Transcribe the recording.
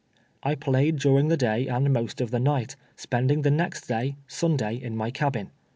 I played during the day and most of the night, spend ing the next day, Sunday, in my cabin.